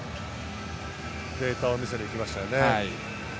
データを見せに行きましたよね。